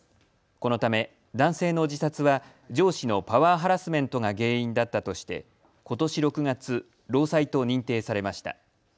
このため男性の自殺は上司のパワーハラスメントが原因だったとしてことし６月、労災と認定されました。